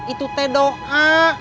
itu teh doa